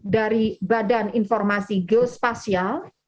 dari badan informasi geospasial